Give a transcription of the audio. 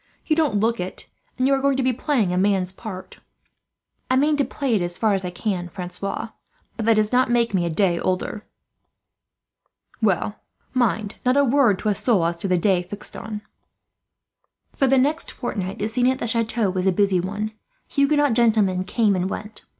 You don't look it, and you are going to play a man's part." "I mean to play it as far as I can, Francois; but that does not really make me a day older." "Well, mind, not a word to a soul as to the day fixed on." For the next fortnight the scene at the chateau was a busy one. Huguenot gentlemen came and went.